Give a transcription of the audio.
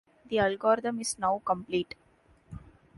The algorithm is now complete.